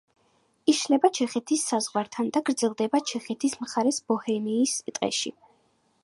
იშლება ჩეხეთის საზღვართან და გრძელდება ჩეხეთის მხარეს, ბოჰემიის ტყეში.